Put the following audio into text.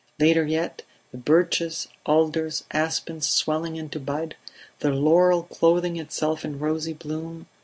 Later yet, the birches, alders, aspens swelling into bud; the laurel clothing itself in rosy bloom